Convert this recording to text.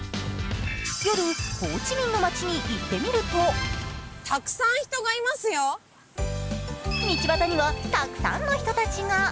夜、ホーチミンの街に行ってみると道端にはたくさんの人たちが。